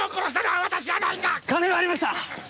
金はありました！